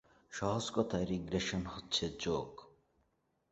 সহজ কথায় রিগ্রেশন হচ্ছে যোগ।